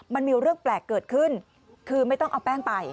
มันมีเรื่องแปลกเกิดขึ้นคือไม่ต้องเอาแป้งไป